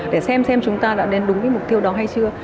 để xem chúng ta đã đến đúng mục tiêu đó hay chưa